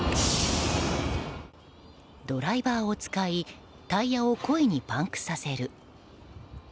ドライバーを使いタイヤを故意にパンクさせる。